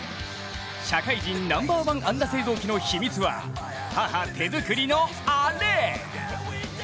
社会人ナンバーワン安打製造機の秘密は母手作りのアレ！